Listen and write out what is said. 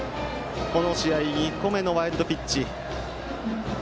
この試合２個目のワイルドピッチ。